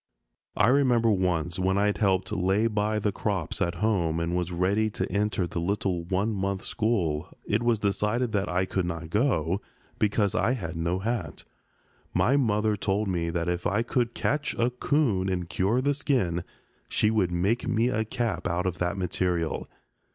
I remember once, when I had helped "lay by" the crops at home and was ready to enter the little one month school, it was decided that I could not go, because I had no hat. My mother told me that if I could catch a 'coon and cure the skin, she would make me a cap out of that material.